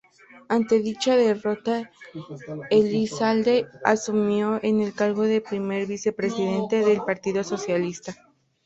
Ante dicha derrota, Elizalde asumió en el cargo de primer vicepresidente del partido socialista.